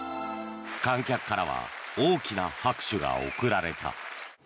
観客からは大きな拍手が送られた。